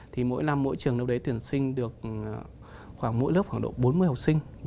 thì mỗi năm mỗi trường đâu đấy tuyển sinh được khoảng mỗi lớp khoảng độ bốn mươi học sinh